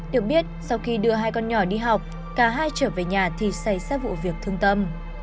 được biết sau khi đưa hai con nhỏ đi học cả hai trở về nhà thì xảy ra vụ việc thương tâm